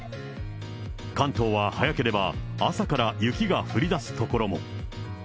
関東は早ければ、朝から雪が降りだす所も。